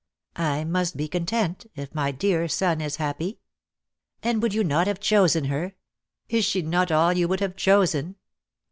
"I must be content, if my dear son is happy." "And would you not have chosen her? Is she not all you would have chosen?"